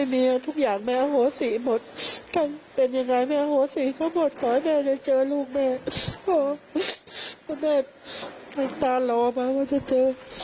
มันก็รอมาว่าจะเจอ